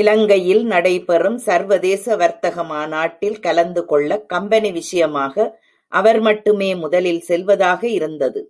இலங்கையில் நடைபெறும சர்வதேச வர்த்தக மாநாட்டில் கலந்துகொள்ள கம்பெனி விஷயமாக அவர் மட்டுமே முதலில் செல்வதாக இருந்தது.